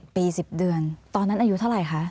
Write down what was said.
ปี๑๐เดือนตอนนั้นอายุเท่าไหร่คะ